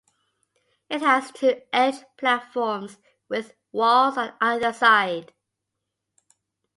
It has two edge platforms with walls at either side.